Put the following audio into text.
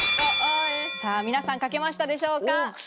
皆さん、書けましたでしょうか？